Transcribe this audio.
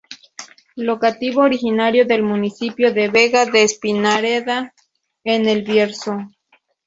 Locativo originario del municipio de Vega de Espinareda, en El Bierzo.